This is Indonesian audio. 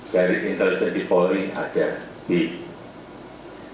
dari intelijen di polri ada b